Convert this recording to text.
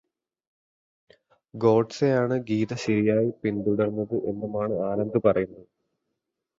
ഗോഡ്സേയാണു ഗീത ശരിയായി പിന്തുടര്ന്നത് എന്നുമാണു ആനന്ദ് പറയുന്നത്.